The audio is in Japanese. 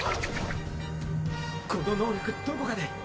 この能力どこかで。